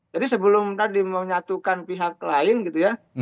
jadi sebelum tadi menyatukan pihak lain gitu ya